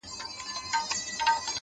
هوښیار انسان احساساتو ته لوری ورکوي’